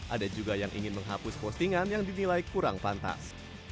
ada juga yang ingin menghapus postingan yang dinilai kurang pantas